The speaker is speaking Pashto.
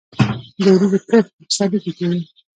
د وریجو کښت په پسرلي کې کیږي.